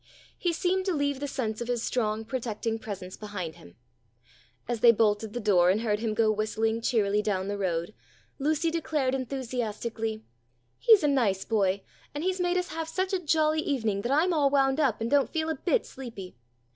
He seemed to leave the sense of his strong protecting presence behind him. As they bolted the door and heard him go whistling cheerily down the road, Lucy declared enthusiastically: "He's a nice boy and he's made us have such a jolly evening that I'm all wound up and don't feel a bit sleepy.